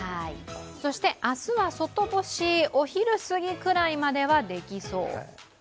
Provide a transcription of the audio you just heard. そして明日は外干し、お昼すぎぐらいまではできそう。